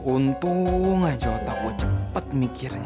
untung aja otak gue cepet mikirnya nih